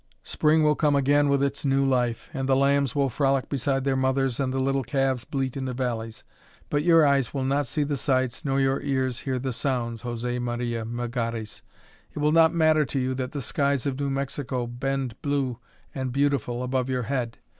Spring will come again with its new life, and the lambs will frolic beside their mothers and the little calves bleat in the valleys. But your eyes will not see the sights, nor your ears hear the sounds, José Maria Melgares. It will not matter to you that the skies of New Mexico bend blue and beautiful above your head.